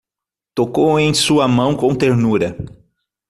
Tocou em sua mão com ternura